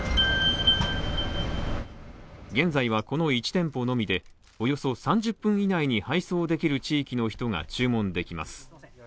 現在はこの１店舗のみで、およそ３０分以内に配送できる地域の人が注文できます。